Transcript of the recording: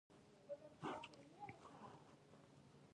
عربان په کومو سیمو کې دي؟